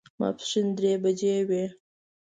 ماسپښین درې بجې وې.